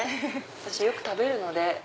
私よく食べるので。